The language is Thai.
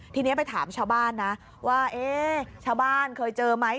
ทีนี้ไปถามชาวบ้านนะว่าเอ๊ะชาวบ้านเคยเจอไหม